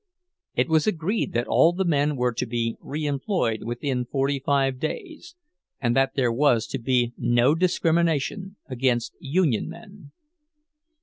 It was agreed that all the men were to be re employed within forty five days, and that there was to be "no discrimination against union men."